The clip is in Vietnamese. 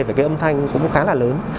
với cái âm thanh cũng khá là lớn